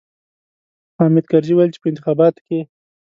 خو حامد کرزي ويل چې په انتخاباتو کې.